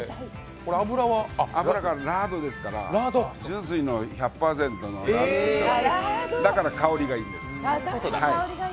油がラードですから純粋の１００％のラードでだから香りがいいです。